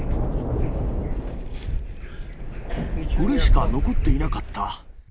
これしか残っていなかった。